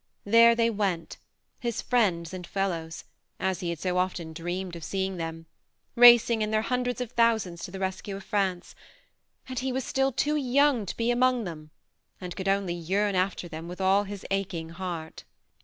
There they went, his friends and fellows, as he had so often dreamed of seeing them, racing in their hundreds of thousands to the rescue of France ; and he was still too young to be among them, and could only yearn after them with all his aching heart